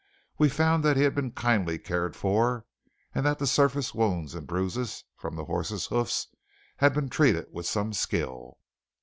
We found that he had been kindly cared for, and that the surface wounds and bruises from the horses' hoofs had been treated with some skill.